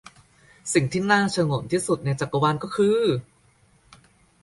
สิ่งที่น่าฉงนที่สุดในจักรวาลก็คือ